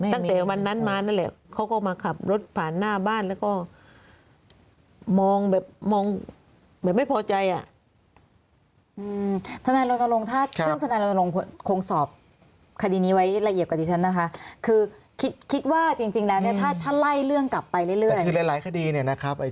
ตั้งแต่วันนั้นมานั่นแหละ